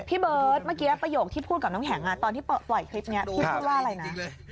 พี่เบิร์ทโปรสที่พูดกับน้องแหงตอนที่ปล่อยคลิปนี้ก็พูดว่าอะไรนะ